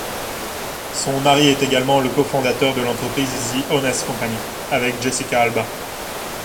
Son mari est également le cofondateur de l'entreprise The Honest Company, avec Jessica Alba.